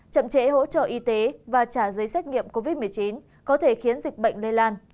chậm trễ hỗ trợ y tế và trả giấy xét nghiệm covid một mươi chín có thể khiến dịch bệnh lây lan